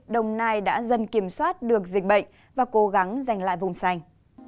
đồng nai đã dần kiểm soát được dịch bệnh và cố gắng giành lại vùng xanh